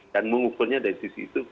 dan mengukurnya dari sisi itu